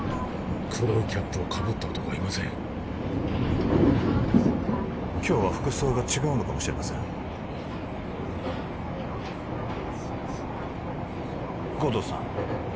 黒いキャップをかぶった男はいません今日は服装が違うのかもしれません護道さん